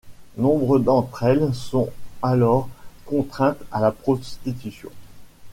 Nombre d'entre elles sont alors contraintes à la prostitution.